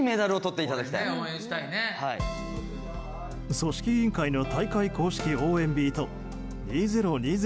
組織委員会の大会公式応援ビート２０２０